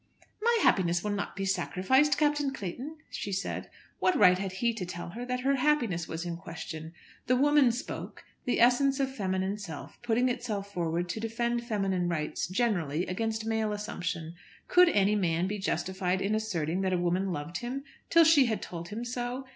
"My happiness will not be sacrificed, Captain Clayton," she said. What right had he to tell that her happiness was in question? The woman spoke, the essence of feminine self, putting itself forward to defend feminine rights generally against male assumption. Could any man be justified in asserting that a woman loved him till she had told him so?